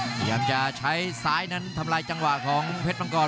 พยายามจะใช้ซ้ายนั้นทำลายจังหวะของเพชรมังกร